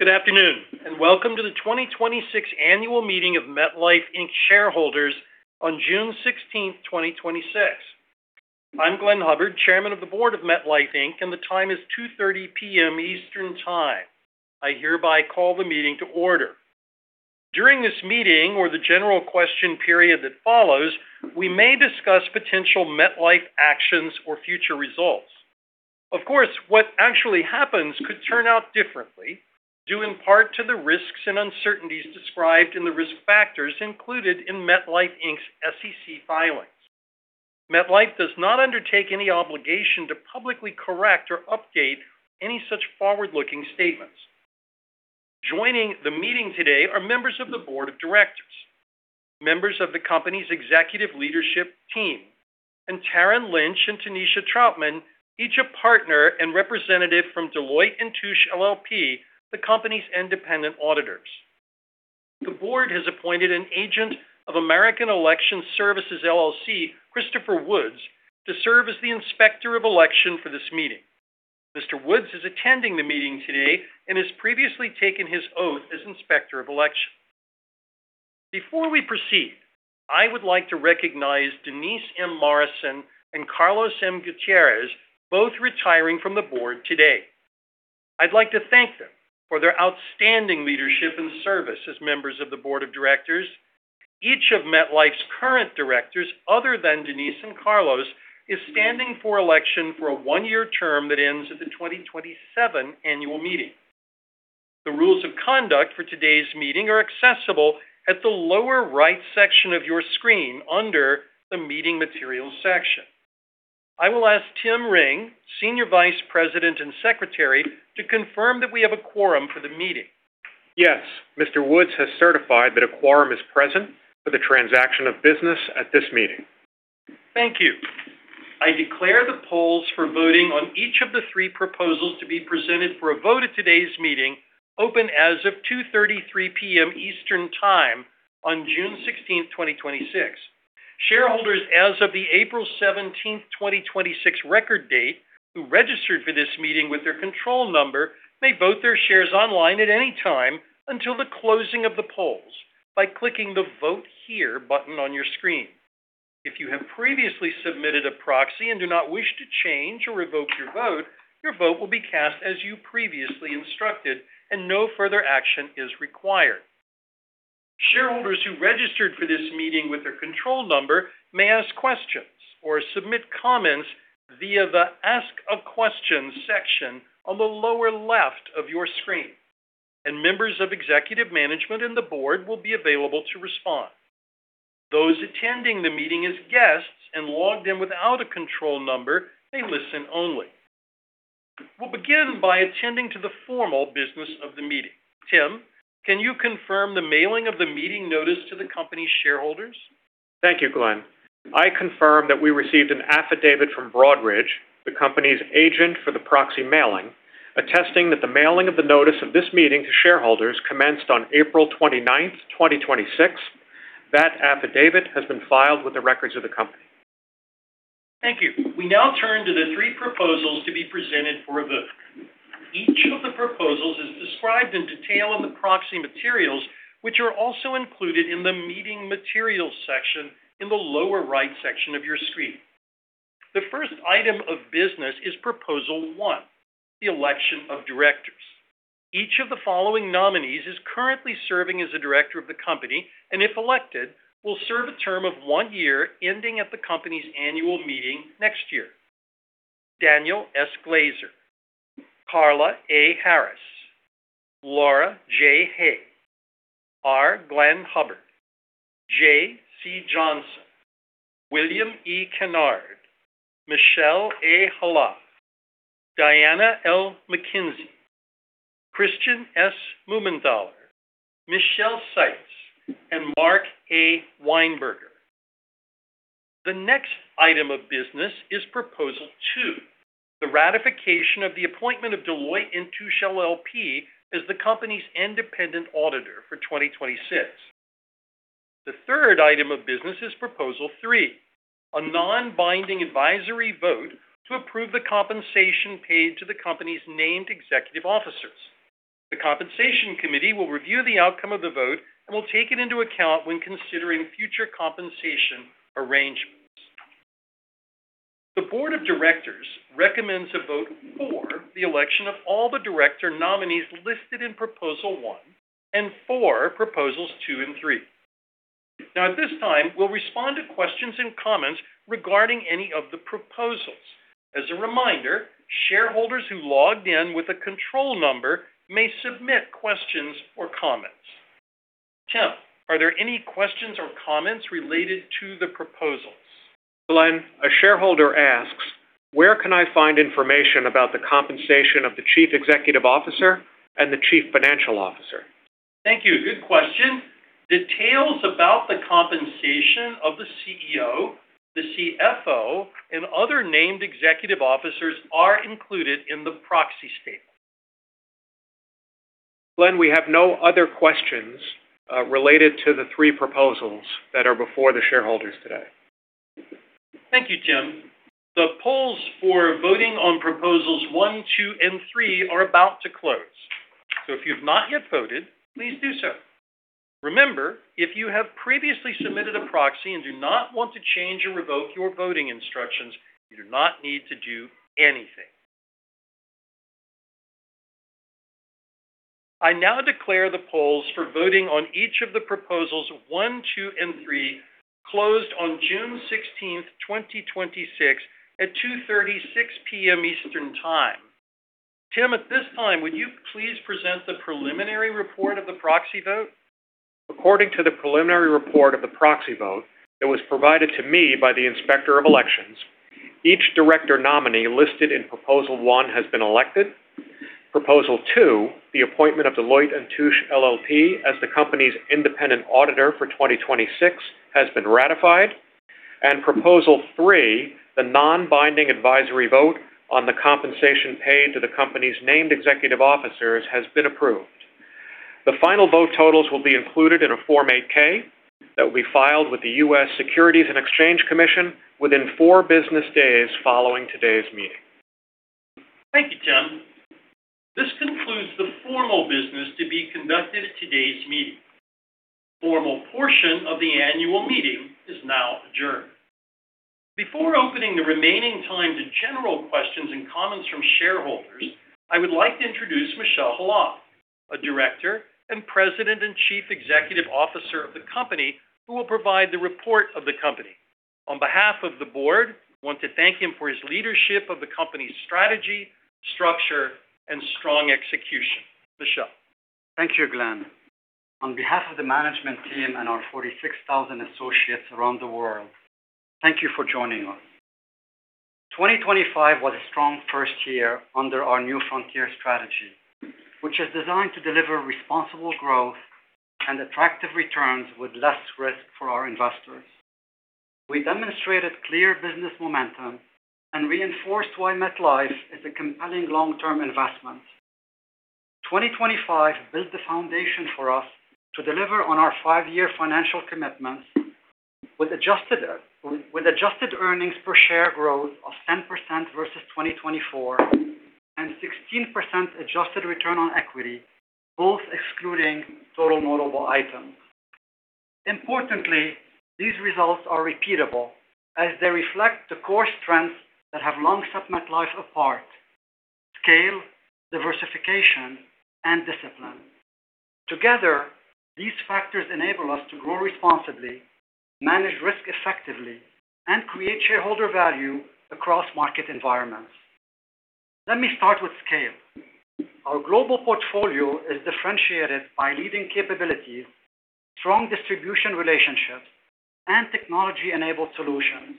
Good afternoon. Welcome to the 2026 Annual Meeting of MetLife, Inc Shareholders on June 16, 2026. I'm Glenn Hubbard, Chairman of the Board of MetLife, Inc. The time is 2:30 P.M. Eastern Time. I hereby call the meeting to order. During this meeting or the general question period that follows, we may discuss potential MetLife actions or future results. Of course, what actually happens could turn out differently, due in part to the risks and uncertainties described in the risk factors included in MetLife, Inc's SEC filings. MetLife does not undertake any obligation to publicly correct or update any such forward-looking statements. Joining the meeting today are members of the Board of Directors, members of the company's executive leadership team, and Karen Lynch and Tannisha Troutman, each a partner and representative from Deloitte & Touche LLP, the company's independent auditors. The board has appointed an agent of American Election Services, LLC, Christopher Woods, to serve as the Inspector of Election for this meeting. Mr. Woods is attending the meeting today and has previously taken his oath as Inspector of Election. Before we proceed, I would like to recognize Denise M. Morrison and Carlos M. Gutierrez, both retiring from the board today. I'd like to thank them for their outstanding leadership and service as members of the Board of Directors. Each of MetLife's current directors, other than Denise and Carlos, is standing for election for a one-year term that ends at the 2027 annual meeting. The rules of conduct for today's meeting are accessible at the lower right section of your screen under the Meeting Materials section. I will ask Tim Ring, Senior Vice President and Secretary, to confirm that we have a quorum for the meeting. Yes. Mr. Woods has certified that a quorum is present for the transaction of business at this meeting. Thank you. I declare the polls for voting on each of the three proposals to be presented for a vote at today's meeting open as of 2:33 P.M. Eastern Time on June 16, 2026. Shareholders as of the April 17, 2026 record date, who registered for this meeting with their control number may vote their shares online at any time until the closing of the polls by clicking the Vote Here button on your screen. If you have previously submitted a proxy and do not wish to change or revoke your vote, your vote will be cast as you previously instructed and no further action is required. Shareholders who registered for this meeting with their control number may ask questions or submit comments via the Ask a Question section on the lower left of your screen, and members of executive management and the board will be available to respond. Those attending the meeting as guests and logged in without a control number may listen only. We'll begin by attending to the formal business of the meeting. Tim, can you confirm the mailing of the meeting notice to the company's shareholders? Thank you, Glenn. I confirm that we received an affidavit from Broadridge, the company's agent for the proxy mailing, attesting that the mailing of the notice of this meeting to shareholders commenced on April 29th, 2026. That affidavit has been filed with the records of the company. Thank you. We now turn to the three proposals to be presented for a vote. Each of the proposals is described in detail in the proxy materials, which are also included in the Meeting Materials section in the lower right section of your screen. The first item of business is Proposal 1, the election of directors. Each of the following nominees is currently serving as a director of the company, and if elected, will serve a term of one year ending at the company's annual meeting next year. Daniel S. Glaser, Carla A. Harris, Laura J. Hay, R. Glenn Hubbard, Jeh C. Johnson, William E. Kennard, Michel A. Khalaf, Diana L. McKenzie, Christian S. Mumenthaler, Michelle Seitz, and Mark A. Weinberger. The next item of business is Proposal 2, the ratification of the appointment of Deloitte & Touche LLP as the company's independent auditor for 2026. The third item of business is Proposal 3, a non-binding advisory vote to approve the compensation paid to the company's named executive officers. The Compensation Committee will review the outcome of the vote and will take it into account when considering future compensation arrangements. The Board of Directors recommends a vote for the election of all the director nominees listed in Proposal 1 and for Proposals 2 and 3. At this time, we'll respond to questions and comments regarding any of the proposals. As a reminder, shareholders who logged in with a control number may submit questions or comments. Tim, are there any questions or comments related to the proposals? Glenn, a shareholder asks, where can I find information about the compensation of the Chief Executive Officer and the Chief Financial Officer? Thank you. Good question. Details about the compensation of the CEO, the CFO, and other named executive officers are included in the proxy statement. Glenn, we have no other questions related to the three proposals that are before the shareholders today. Thank you, Tim. The polls for voting on Proposals 1, 2, and 3 are about to close. If you've not yet voted, please do so. Remember, if you have previously submitted a proxy and do not want to change or revoke your voting instructions, you do not need to do anything. I now declare the polls for voting on each of the Proposals 1, 2, and 3 closed on June 16th, 2026 at 2:36 P.M. Eastern Time. Tim, at this time, would you please present the preliminary report of the proxy vote? According to the preliminary report of the proxy vote that was provided to me by the Inspector of Elections, each director nominee listed in Proposal 1 has been elected. Proposal 2, the appointment of Deloitte & Touche LLP as the company's independent auditor for 2026 has been ratified, and Proposal 3, the non-binding advisory vote on the compensation paid to the company's named executive officers has been approved. The final vote totals will be included in a Form 8-K that will be filed with the U.S. Securities and Exchange Commission within four business days following today's meeting. Thank you, Tim. This concludes the formal business to be conducted at today's meeting. The formal portion of the annual meeting is now adjourned. Before opening the remaining time to general questions and comments from shareholders, I would like to introduce Michel Khalaf, a Director and President and Chief Executive Officer of the company, who will provide the report of the company. On behalf of the board, I want to thank him for his leadership of the company's strategy, structure, and strong execution. Michel. Thank you, Glenn. On behalf of the management team and our 46,000 associates around the world, thank you for joining us. 2025 was a strong first year under our New Frontier strategy, which is designed to deliver responsible growth and attractive returns with less risk for our investors. We demonstrated clear business momentum and reinforced why MetLife is a compelling long-term investment. 2025 built the foundation for us to deliver on our five-year financial commitments with adjusted earnings per share growth of 10% versus 2024 and 16% adjusted return on equity, both excluding total notable items. Importantly, these results are repeatable as they reflect the core strengths that have long set MetLife apart, scale, diversification, and discipline. Together, these factors enable us to grow responsibly, manage risk effectively, and create shareholder value across market environments. Let me start with scale. Our global portfolio is differentiated by leading capabilities, strong distribution relationships, and technology-enabled solutions.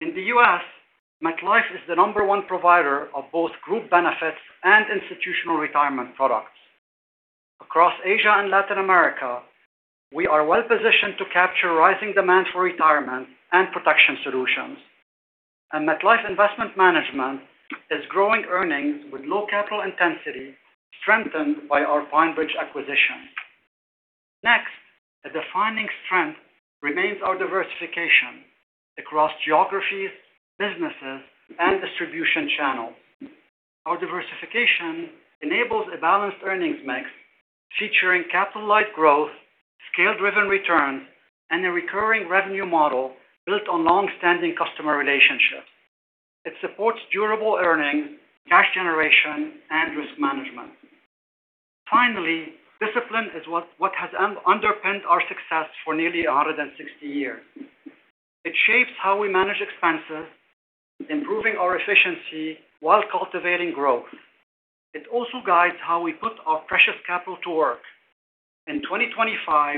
In the U.S., MetLife is the number one provider of both group benefits and institutional retirement products. Across Asia and Latin America, we are well-positioned to capture rising demand for retirement and protection solutions. MetLife Investment Management is growing earnings with low capital intensity strengthened by our PineBridge acquisition. Next, a defining strength remains our diversification across geographies, businesses, and distribution channels. Our diversification enables a balanced earnings mix featuring capital-light growth, scale-driven returns, and a recurring revenue model built on long-standing customer relationships. It supports durable earnings, cash generation, and risk management. Finally, discipline is what has underpinned our success for nearly 160 years. It shapes how we manage expenses, improving our efficiency while cultivating growth. It also guides how we put our precious capital to work. In 2025,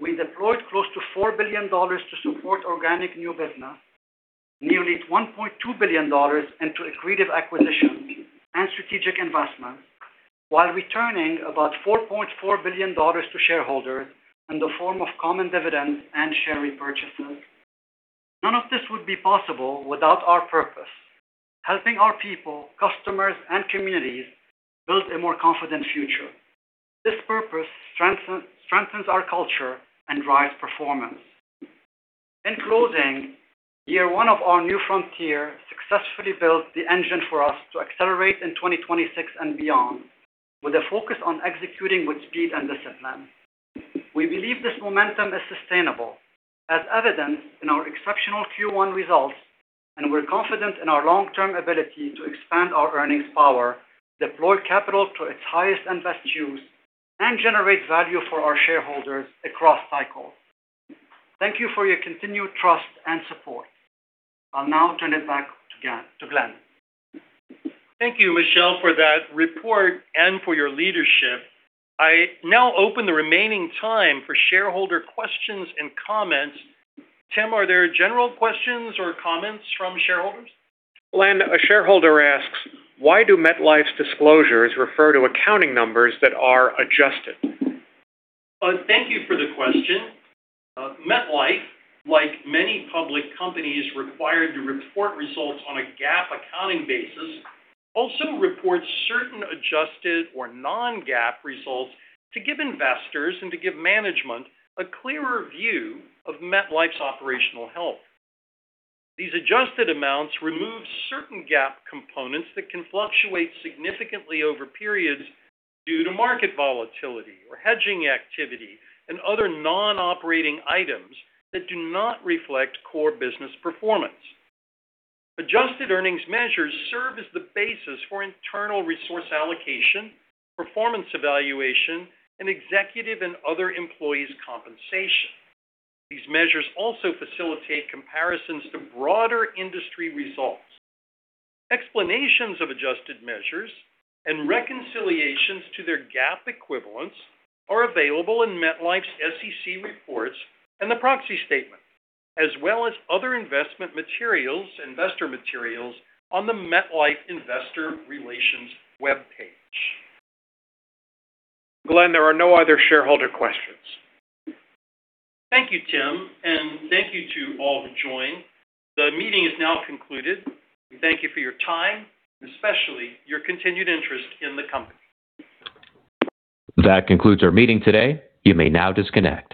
we deployed close to $4 billion to support organic new business, nearly $1.2 billion into accretive acquisitions and strategic investments while returning about $4.4 billion to shareholders in the form of common dividends and share repurchases. None of this would be possible without our purpose, helping our people, customers, and communities build a more confident future. This purpose strengthens our culture and drives performance. In closing, year one of our New Frontier successfully built the engine for us to accelerate in 2026 and beyond with a focus on executing with speed and discipline. We believe this momentum is sustainable, as evidenced in our exceptional Q1 results, and we're confident in our long-term ability to expand our earnings power, deploy capital to its highest and best use, and generate value for our shareholders across cycles. Thank you for your continued trust and support. I'll now turn it back to Glenn. Thank you, Michel, for that report and for your leadership. I now open the remaining time for shareholder questions and comments. Tim, are there general questions or comments from shareholders? Glenn, a shareholder asks, "Why do MetLife's disclosures refer to accounting numbers that are adjusted? Thank you for the question. MetLife, like many public companies required to report results on a GAAP accounting basis, also reports certain adjusted or non-GAAP results to give investors and to give management a clearer view of MetLife's operational health. These adjusted amounts remove certain GAAP components that can fluctuate significantly over periods due to market volatility or hedging activity and other non-operating items that do not reflect core business performance. Adjusted earnings measures serve as the basis for internal resource allocation, performance evaluation, and executive and other employees' compensation. These measures also facilitate comparisons to broader industry results. Explanations of adjusted measures and reconciliations to their GAAP equivalents are available in MetLife's SEC reports and the proxy statement, as well as other investment materials, investor materials on the MetLife investor relations webpage. Glenn, there are no other shareholder questions. Thank you, Tim, and thank you to all who joined. The meeting is now concluded. We thank you for your time, and especially your continued interest in the company. That concludes our meeting today. You may now disconnect.